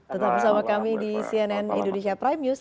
tetap bersama kami di cnn indonesia prime news